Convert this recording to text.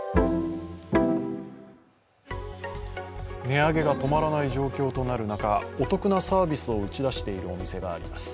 値上げが止まらない状況となる中、お得なサービスを打ち出しているお店があります。